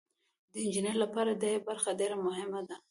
د انجینر لپاره د ای برخه ډیره مهمه ده.